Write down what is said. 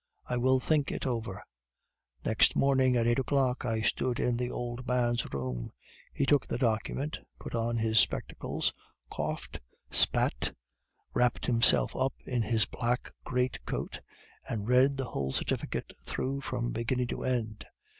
I will think it over.' "'Next morning, at eight o'clock, I stood in the old man's room. He took the document, put on his spectacles, coughed, spat, wrapped himself up in his black greatcoat, and read the whole certificate through from beginning to end.